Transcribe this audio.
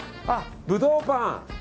あ、ブドウパン。